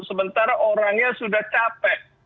sementara orangnya sudah capek